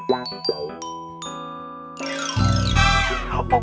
มาก